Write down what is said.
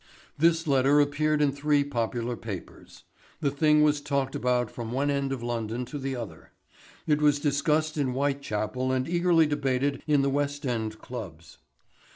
This letter appeared in three popular papers. The thing was talked about from one end of London to the other. It was discussed in Whitechapel and eagerly debated in the West End clubs.